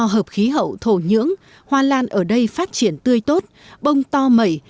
hợp khí hậu thổ nhưỡng hoa lan ở đây phát triển tươi tốt bông to mẩy